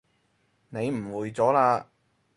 你誤會咗喇